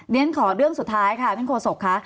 เรียนขอเรื่องสุดท้ายค่ะท่านโฆษกค่ะ